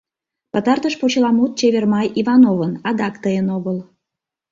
Пытартыш почеламут «Чевер май» Ивановын, адак тыйын огыл.